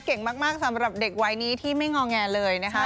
เก่งมากสำหรับเด็กวัยนี้ที่ไม่งอแงเลยนะคะ